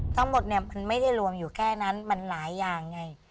ทั้งหมดเนี่ยมันไม่ได้รวมอยู่แค่นั้นมันหลายอย่างไง